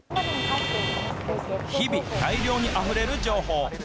日々、大量にあふれる情報。